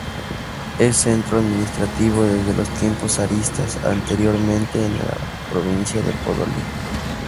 Es centro administrativo desde los tiempos zaristas, anteriormente en la provincia de Podolia.